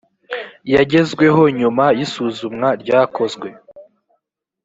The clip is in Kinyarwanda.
yagezweho nyuma y’ isuzumwa ryakozwe